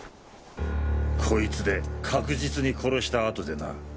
こいつで確実に殺した後でな。